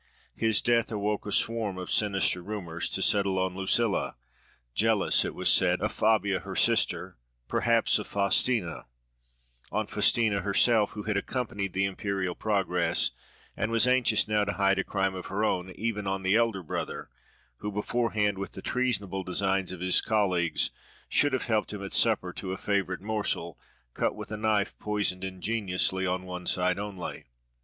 His death awoke a swarm of sinister rumours, to settle on Lucilla, jealous, it was said, of Fabia her sister, perhaps of Faustina—on Faustina herself, who had accompanied the imperial progress, and was anxious now to hide a crime of her own—even on the elder brother, who, beforehand with the treasonable designs of his colleague, should have helped him at supper to a favourite morsel, cut with a knife poisoned ingeniously on one side only.